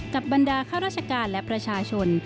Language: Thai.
บรรดาข้าราชการและประชาชน